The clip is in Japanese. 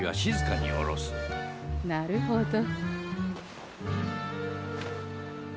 なるほど。